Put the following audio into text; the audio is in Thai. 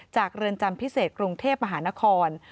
เรือนจำพิเศษกรุงเทพมหานคร